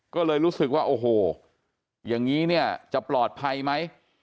ก็เลยรู้สึกว่าโอ้โหอย่างนี้เนี่ยจะปลอดภัยไหม